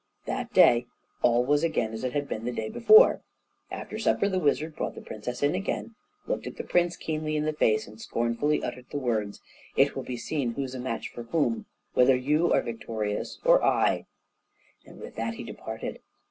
That day all was again as it had been the day before. After supper the wizard brought the princess in again, looked the prince keenly in the face, and scornfully uttered the words, "It will be seen who's a match for whom; whether you are victorious or I," and with that he departed.